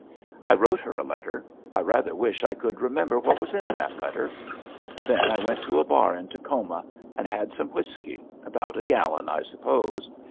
I wrote her a letter ; I rather wish I could remember what was in that letter. Then I went to ^ bar in Tacoma and had some whisky, about a gallon, I suppose.